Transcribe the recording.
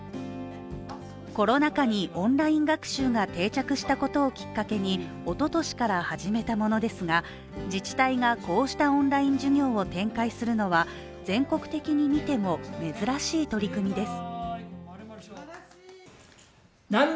コロナ禍にオンライン学習が定着したことをきっかけにおととしから始めたものですが自治体がこうしたオンライン授業を展開するのは全国的に見ても珍しい取り組みです。